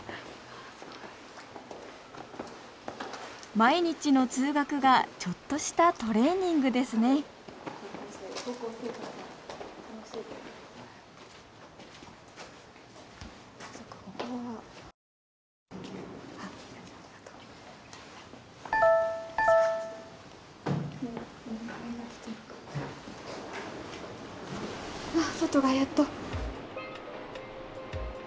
毎日の通学がちょっとしたトレーニングですねあっ外だやっと。